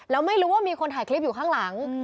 แล้วไม่รู้ว่ามีคนถ่ายคลิปอยู่ข้างหลัง